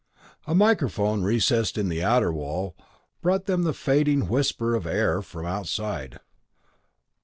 A microphone recessed in the outer wall brought them the fading whisper of air from outside.